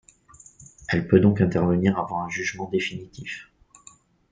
Elle peut donc intervenir avant un jugement définitif.